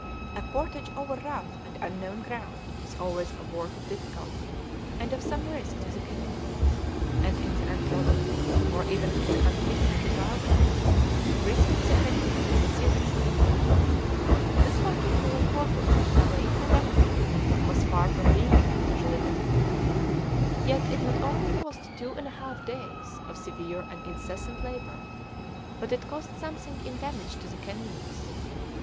A portage over rough and unknown ground is always a work of difficulty and of some risk to the canoe; and in the untrodden, or even in the unfrequented, wilderness risk to the canoe is a serious matter. This particular portage at Navaite Rapids was far from being unusually difficult; yet it not only cost two and a half days of severe and incessant labor, but it cost something in damage to the canoes.